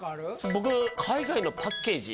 僕海外のパッケージ。